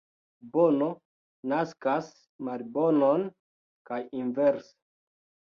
Bono naskas malbonon, kaj inverse.